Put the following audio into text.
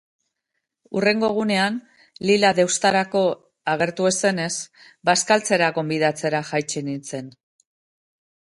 Hurrengo egunean, Lila deustarako agertu ez zenez, bazkaltzera gonbidatzera jaitsi nintzen.